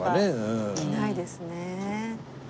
着ないですね。